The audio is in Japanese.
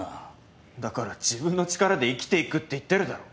だから自分の力で生きていくって言ってるだろ。